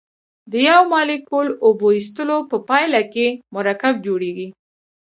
د یو مالیکول اوبو ایستلو په پایله کې مرکب جوړیږي.